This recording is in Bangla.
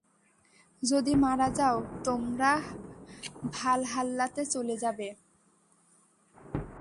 যদি মারা যাও, তোমরা ভালহাল্লাতে চলে যাবে।